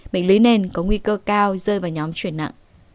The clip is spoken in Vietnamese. bệnh lý nền có nguy cơ cao rơi vào nhóm chuyển nặng